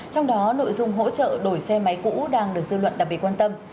trong đó nội dung hỗ trợ đổi xe máy cũ đang được dư luận đặc biệt quan tâm